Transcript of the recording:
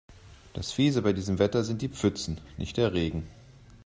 Das Fiese bei diesem Wetter sind die Pfützen, nicht der Regen.